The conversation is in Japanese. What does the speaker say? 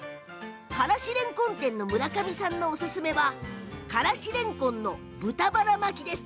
からしれんこん店の村上さんのおすすめはからしれんこんの豚バラ巻き。